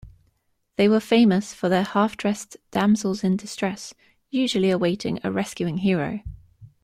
They were famous for their half-dressed damsels in distress, usually awaiting a rescuing hero.